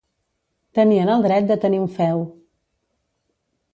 Tenien el dret de tenir un feu.